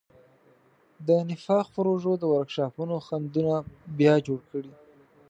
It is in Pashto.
د نفاق پروژو د ورکشاپونو خنډونه بیا جوړ کړي.